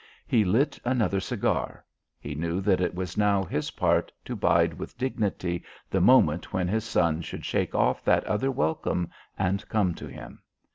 He lit another cigar; he knew that it was now his part to bide with dignity the moment when his son should shake off that other welcome and come to him.